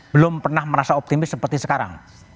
belum pernah merasa optimis seperti sekarang